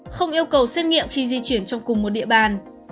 không yêu cầu xét nghiệm khi di chuyển trong cùng một địa bàn